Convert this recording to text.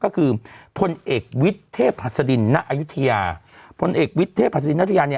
ก็คือพลเอกวิทเทพศดินนะอยุธยาพลเอกวิทเทพศดินนะอยุธยาเนี้ย